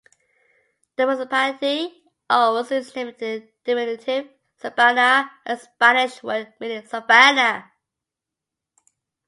The municipality owes its name to the diminutive "sabana," a Spanish word meaning "savannah".